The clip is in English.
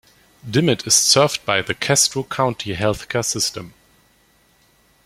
Dimmitt is served by the Castro County Healthcare System.